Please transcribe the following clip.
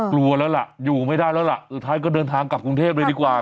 กลัวแล้วล่ะอยู่ไม่ได้แล้วล่ะสุดท้ายก็เดินทางกลับกรุงเทพเลยดีกว่า